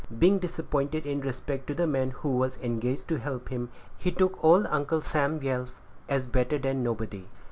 Being disappointed in respect to the man who was engaged to help him, he took old Uncle Sam Yelf, as better than nobody.